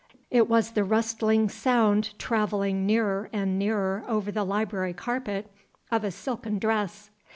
It was the rustling sound (traveling nearer and nearer over the library carpet) of a silken dress.